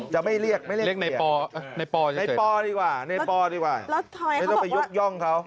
จะไม่เรียกในปอดีกว่าไม่ต้องไปยกย่องเขา